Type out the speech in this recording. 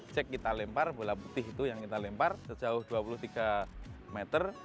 cek kita lempar bola putih itu yang kita lempar sejauh dua puluh tiga meter